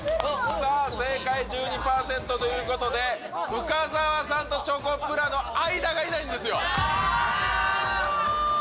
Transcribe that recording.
さあ、正解１２％ということで、深澤さんとチョコプラの間がいないんですよ。